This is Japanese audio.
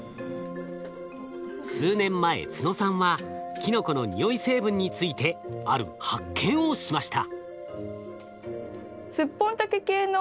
数年前都野さんはキノコの匂い成分についてある発見をしました。